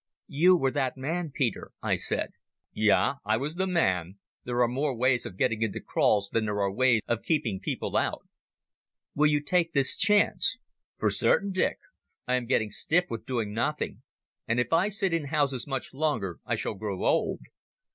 "You were that man, Peter," I said. "Ja. I was the man. There are more ways of getting into kraals than there are ways of keeping people out." "Will you take this chance?" "For certain, Dick. I am getting stiff with doing nothing, and if I sit in houses much longer I shall grow old.